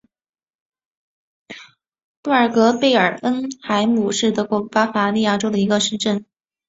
布尔格贝尔恩海姆是德国巴伐利亚州的一个市镇。